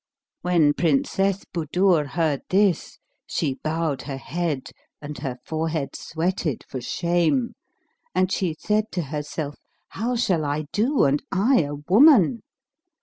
When Princess Budur heard this, she bowed her head and her forehead sweated for shame, and she said to herself. "How shall I do, and I a woman?